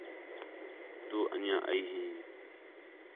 تو انڄیاں ائی ہیں